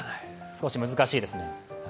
少し難しいですね。